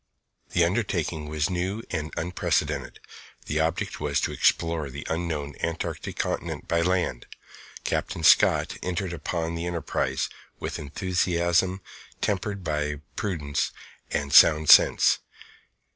The undertaking was new and unprecedented. The object was to explore the unknown Antarctic Continent by land. Captain Scott entered upon the enterprise with enthusiasm tempered by prudence and sound sense.